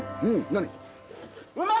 何？